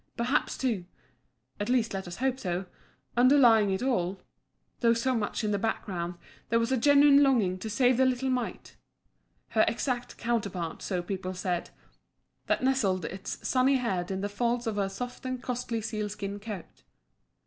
Perhaps, too at least, let us hope so underlying it all, though so much in the background, there was a genuine longing to save the little mite her exact counterpart, so people said that nestled its sunny head in the folds of her soft and costly sealskin coat.